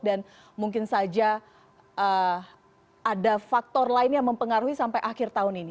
dan mungkin saja ada faktor lain yang mempengaruhi sampai akhir tahun ini